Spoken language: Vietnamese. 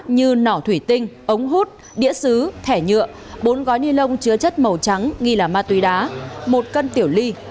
như nỏ thủy tinh ống hút đĩa xứ thẻ nhựa bốn gói ni lông chứa chất màu trắng nghi là ma túy đá một cân tiểu ly